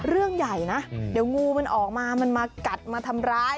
เรื่องใหญ่นะเดี๋ยวงูมันออกมามันมากัดมาทำร้าย